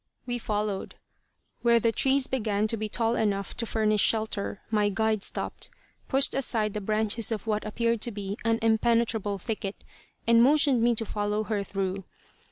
We followed. Where the trees began to be tall enough to furnish shelter, my guide stopped, pushed aside the branches of what appeared to be an impenetrable thicket, and motioned me to follow her through.